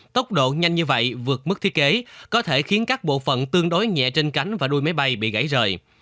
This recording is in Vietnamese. tốc độ nhanh như vậy vượt mức thiết kế có thể khiến các bộ phận tương đối nhẹ trên cánh và đuôi máy bay bị gãy rời